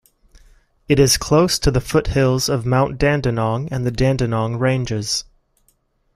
It is close to the foothills of Mount Dandenong and the Dandenong Ranges.